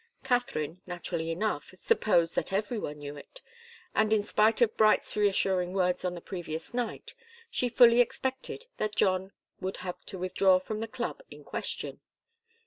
Katharine, naturally enough, supposed that every one knew it, and in spite of Bright's reassuring words on the previous night, she fully expected that John would have to withdraw from the club in question.